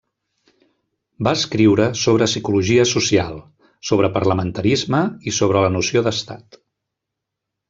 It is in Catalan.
Va escriure sobre psicologia social, sobre parlamentarisme i sobre la noció d'estat.